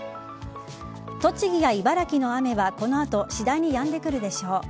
栃木や茨城の雨はこの後次第にやんでくるでしょう。